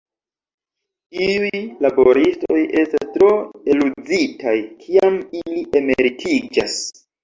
Iuj laboristoj estas tro eluzitaj kiam ili emeritiĝas.